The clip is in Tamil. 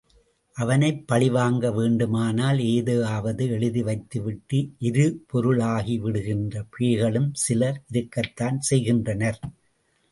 அவனைப் பழிவாங்க வேண்டுமானால் ஏதாவது எழுதி வைத்துவிட்டு எரிபொருளாகிவிடுகின்ற பேய்களும் சிலர் இருக்கத்தான் செய்கின்றனர்.